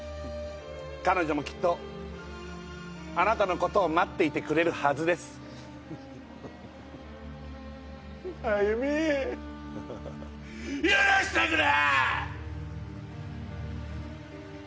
彼女もきっとあなたのことを待っていてくれるはずですマユミ許してくれ！